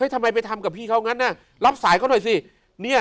ทำไมไปทำกับพี่เขางั้นรับสายเขาหน่อยสิ